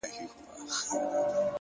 زه خو دا يم ژوندی يم ـ